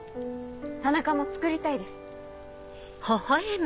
田中もつくりたいです。